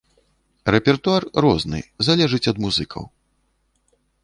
Рэпертуар розны, залежыць ад музыкаў.